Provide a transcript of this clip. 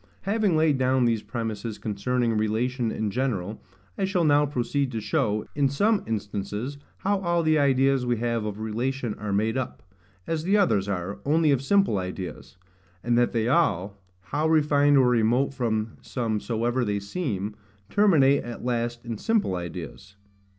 Having laid down these premises concerning relation in general, I shall now proceed to show, in some instances, how all the ideas we have of relation are made up, as the others are, only of simple ideas; and that they all, how refined or remote from sense soever they seem, terminate at last in simple ideas.